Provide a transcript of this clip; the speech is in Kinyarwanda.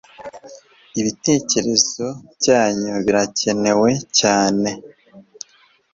Ibitecyerezo byanyu birakenewe cyane